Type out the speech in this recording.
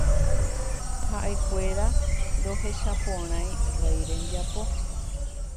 Ha'ekuéra ndohechaporãi rey rembiapo.